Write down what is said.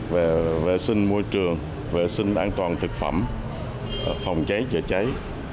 về vệ sinh môi trường vệ sinh an toàn thực phẩm phòng cháy chữa cháy